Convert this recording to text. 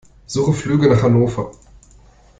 Suche Flüge nach Hannover.